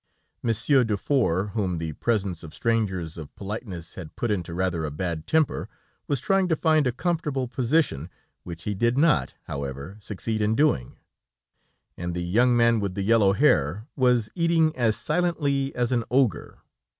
Monsieur Dufour, whom the presence of strangers of politeness had put into rather a bad tempter, was trying to find a comfortable position, which he did not, however, succeed in doing, and the young man with the yellow hair was eating as silently as an ogre.